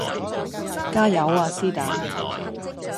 加油呀絲打